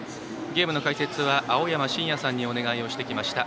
ゲームの解説は青山眞也さんにお願いしてきました。